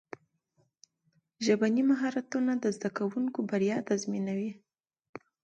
ژبني مهارتونه د زدهکوونکو بریا تضمینوي.